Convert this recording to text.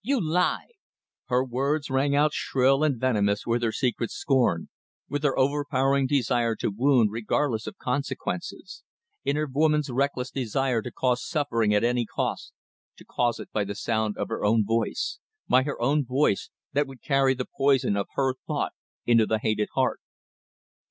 You lie!" Her words rang out shrill and venomous with her secret scorn, with her overpowering desire to wound regardless of consequences; in her woman's reckless desire to cause suffering at any cost, to cause it by the sound of her own voice by her own voice, that would carry the poison of her thought into the hated heart.